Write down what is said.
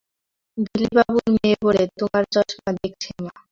বিলিবাবুর মেয়ে বলে, তোমার চশমা দেখছে মা।